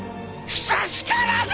久しからず！